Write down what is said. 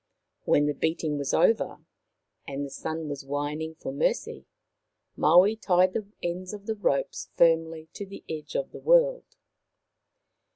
When the beating was over, and the Sun was whining for mercy, Maui tied the ends of the ropes firmly to the edge of the world.